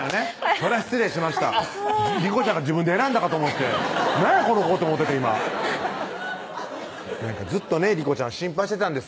それは失礼しました理子ちゃんが自分で選んだかと思ってなんやこの子って思っててん今ずっとね理子ちゃんは心配してたんですよ